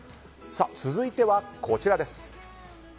続いてはこちらです。